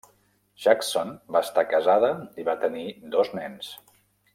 Jackson va estar casada i va tenir dos nens.